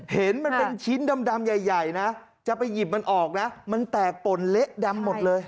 เห็นมันเป็นชิ้นดำใหญ่นะจะไปหยิบมันออกนะมันแตกป่นเละดำหมดเลย